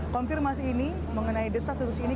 konfirmasi ini mengenai desa khusus ini